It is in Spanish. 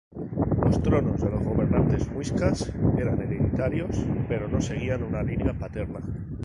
Los tronos de los gobernantes muiscas eran hereditarios, pero no seguían una línea paterna.